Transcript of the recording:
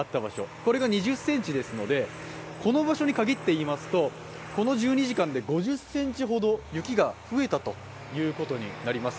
これが２０ｃｍですのでこの場所に限って言いますとこの１２時間で５０ｃｍほど雪が増えたということになります。